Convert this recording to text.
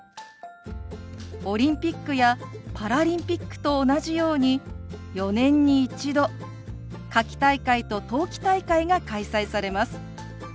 オリンピックやパラリンピックと同じように４年に１度夏季大会と冬季大会が開催されます。